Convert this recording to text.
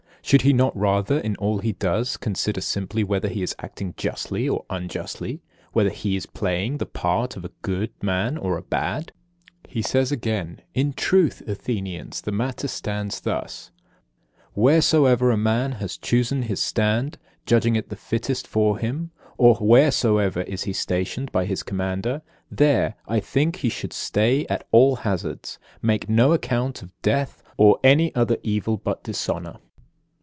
Should he not rather, in all he does, consider simply whether he is acting justly or unjustly, whether he is playing the part of a good man or a bad?'" 45. He says again: "In truth, Athenians, the matter stands thus: Wheresoever a man has chosen his stand, judging it the fittest for him, or wheresoever he is stationed by his commander, there, I think, he should stay at all hazards, making no account of death, or any other evil but dishonour."